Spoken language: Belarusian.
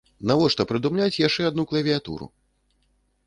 Навошта прыдумляць яшчэ адну клавіятуру?